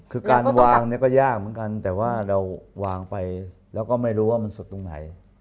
คือการวางเนี่ยก็ยากเหมือนกันแต่ว่าเราวางไปแล้วก็ไม่รู้ว่ามันสุดตรงไหน